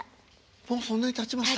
もうそんなにたちました？